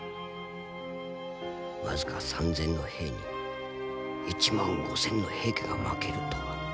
僅か３，０００の兵に１万５，０００の平家が負けるとは。